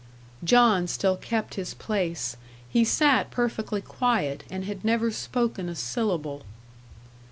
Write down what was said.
John still kept his place. He sat perfectly quiet, and had never spoken a syllable.